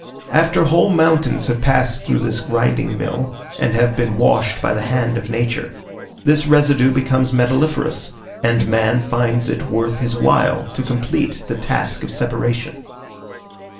After whole mountains have passed through this grinding mill, and have been washed by the hand of nature, the residue becomes metalliferous, and man finds it worth his while to complete the task of separation.